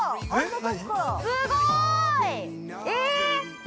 すごーい！